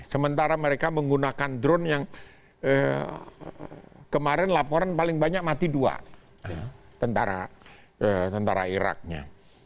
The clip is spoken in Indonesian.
sementara mereka menggunakan drone yang kemarin laporan paling banyak mati dua tentara iraknya